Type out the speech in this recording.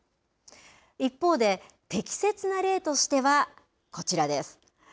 一方で、適切な例としては、こちらです。